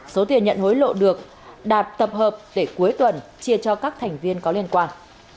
số tiền nhận hối lộ được đạt tập hợp để cuối tuần chia cho các thành viên có liên quan